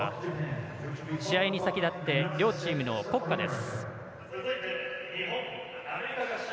試合に先立って両チームの国歌です。